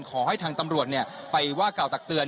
ขอให้ทางตำรวจไปว่ากล่าวตักเตือน